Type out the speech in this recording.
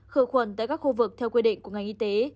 khử khuẩn tại các khu vực theo quy định của ngành y tế